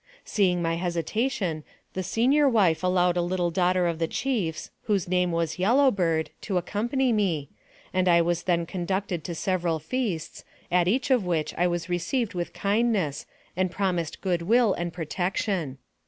Seeing my hesitation, the senior wife allowed a little daughter of the chiefs, whose name was Yellow Bird, to accompany me, and I was then conducted to several feasts, at each of which I was received with kindness, and promised good will and protection.